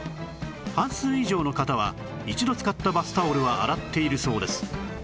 半数以上の方は一度使ったバスタオルは洗っているそうです